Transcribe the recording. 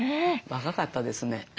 若かったですね。